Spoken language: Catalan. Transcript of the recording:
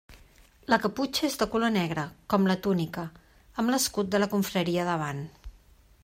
La caputxa és de color negre, com la túnica, amb l'escut de la Confraria davant.